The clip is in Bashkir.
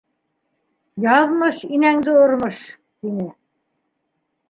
Яҙмыш - инәңде ормош! - тине.